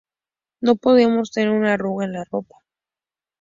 No podíamos tener una arruga en la ropa.